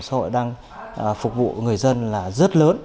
bảo hiểm xã hội đang phục vụ người dân là rất lớn